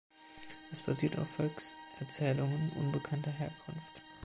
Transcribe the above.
Es basiert auf Volkserzählungen unbekannter Herkunft.